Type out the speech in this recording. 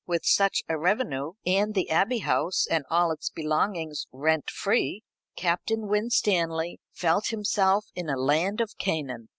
With such a revenue, and the Abbey House and all its belongings rent free, Captain Winstanley felt himself in a land of Canaan.